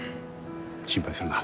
心配するな。